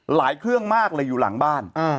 เครื่องมากเลยอยู่หลังบ้าน